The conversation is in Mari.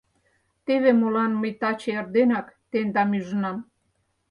Теве молан мый таче эрденак тендам ӱжынам.